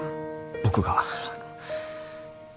僕が